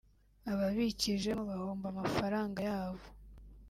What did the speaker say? ababikijemo bahomba amafaranga yabo